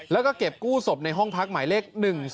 แล้วก็เก็บกู้ศพในห้องพักหมายเลข๑๒